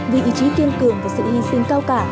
vì ý chí kiên cường và sự hy sinh cao cả